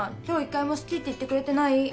今日１回も好きって言ってくれてない。